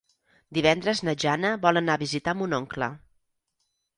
Divendres na Jana vol anar a visitar mon oncle.